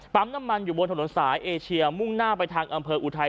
น้ำมันอยู่บนถนนสายเอเชียมุ่งหน้าไปทางอำเภออุทัย